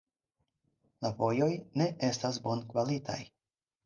La vojoj ne estas bonkvalitaj.